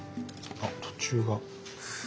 あっ途中が。